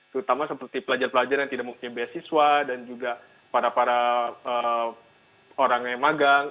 terutama seperti pelajar pelajar yang tidak mempunyai beasiswa dan juga para para orang yang magang